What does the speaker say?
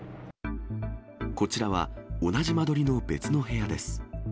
こちらは同じ間取りの別の部屋です。